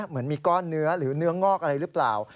เหมือนมีก้อนเนื้อหรือเนื้องอกอะไรหรือเปล่า